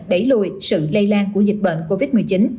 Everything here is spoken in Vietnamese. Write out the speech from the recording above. đẩy lùi sự lây lan của dịch bệnh covid một mươi chín